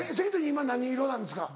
今何色なんですか？